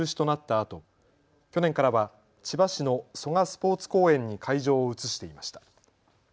あと去年からは千葉市の蘇我スポーツ公園に会場を移していました。